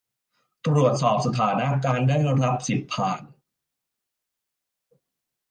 ตรวจสอบสถานะการได้รับสิทธิผ่าน